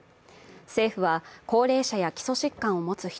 政府は高齢者や基礎疾患を持つ人、